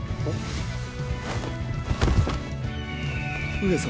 上様！